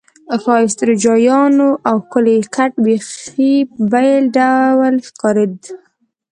ښایسته روجایانو او ښکلي کټ بیخي بېل ډول ښکارېد.